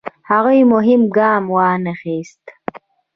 هغوی مهم ګام وانخیست.